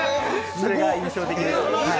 それが印象的でした。